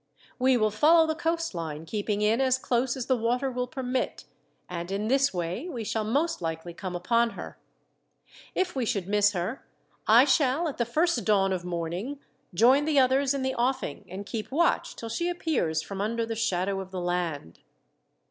We will follow the coast line, keeping in as close as the water will permit, and in this way we shall most likely come upon her. If we should miss her, I shall at the first dawn of morning join the others in the offing, and keep watch till she appears from under the shadow of the land."